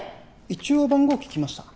一応番号聞きました